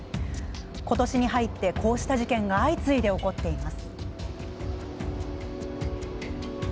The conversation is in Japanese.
今年に入ってこうした事件が相次いで起こっています。